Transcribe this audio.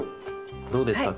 どうですか？